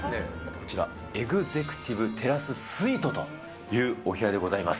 こちら、エグゼクティブテラススイートというお部屋でございます。